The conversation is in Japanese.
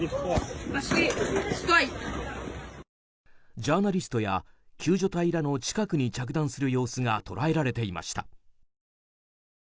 ジャーナリストや救助隊らの近くに着弾する様子が捉えられていました。